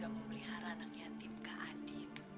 saya memelihara anak yatim kak adin